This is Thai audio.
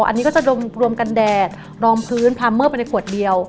อันนี้ก็จะรวมกันแดดรองพื้นพาเมอร์ไปในขวดเดียว